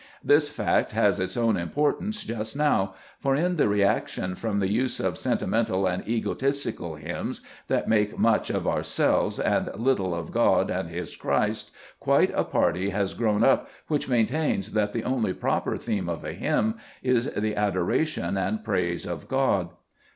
This fact has its own importance just now; for, in the reaction from the use of sentimental and egotistical hymns that make much of ourselves and little of God and His Christ, quite a party has grown up which maintains that the only proper theme of a hymn is the adoration and Introduction. praise of God.